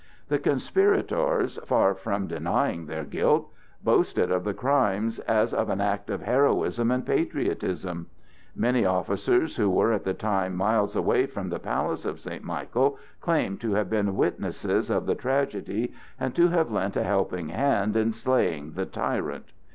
The conspirators, far from denying their guilt, boasted of the crime as of an act of heroism and patriotism. Many officers who were at the time miles away from the palace of St. Michael claimed to have been witnesses of the tragedy and to have lent a helping hand in slaying "the tyrant."